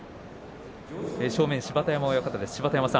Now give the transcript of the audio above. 正面芝田山親方です。